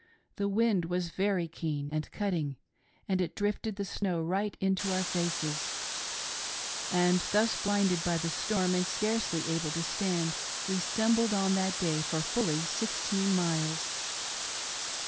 The wind was very keen and cutting, and it drifted the snow right into our faces ; and thus blinded by the storm, and scarcely able to stand, we stumbled on that day for fully sixteen miles.